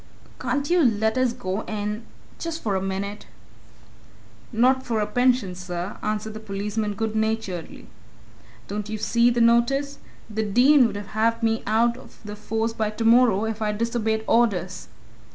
can't you let us go in just for a minute?" "Not for a pension, sir!" answered the policeman good naturedly. "Don't you see the notice? The Dean 'ud have me out of the force by tomorrow if I disobeyed orders.